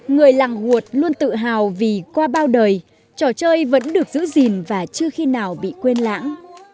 người làng uột luôn tự hào vì qua bao đời trò chơi vẫn được giữ gìn và chưa khi nào bị quên lãng